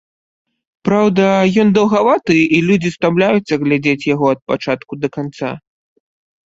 Праўда, ён даўгаваты і людзі стамляюцца глядзець яго ад пачатку да канца.